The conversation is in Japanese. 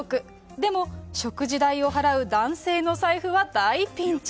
でも、食事代を払う男性の財布は大ピンチ。